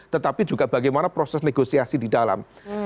tetapi juga bagaimana proses negosiasi di dalam